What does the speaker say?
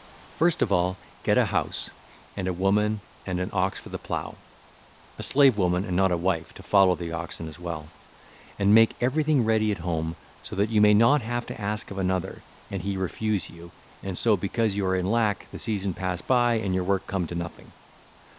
(ll. 405 413) First of all, get a house, and a woman and an ox for the plough—a slave woman and not a wife, to follow the oxen as well—and make everything ready at home, so that you may not have to ask of another, and he refuses you, and so, because you are in lack, the season pass by and your work come to nothing.